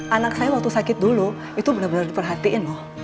anak saya waktu sakit dulu itu benar benar diperhatiin loh